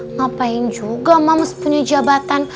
ngapain juga mamas punya jabatan